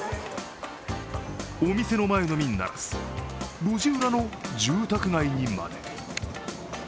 お店の前のみならず、路地裏の住宅街にまで。